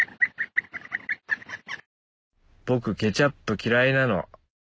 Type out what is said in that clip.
僕ケチャップ嫌いなの。